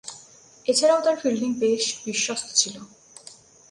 এছাড়াও, তার ফিল্ডিং বেশ বিশ্বস্ত ছিল।